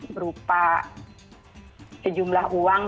berupa sejumlah uang